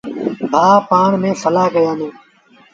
ڀآن پآڻ ميݩ سلآه ڪيآݩدوݩ۔